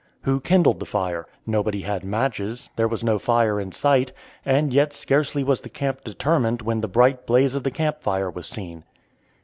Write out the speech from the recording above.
Who kindled the fire? Nobody had matches, there was no fire in sight, and yet scarcely was the camp determined when the bright blaze of the camp fire was seen.